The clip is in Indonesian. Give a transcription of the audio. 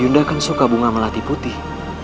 yunda kan suka bunga melati putih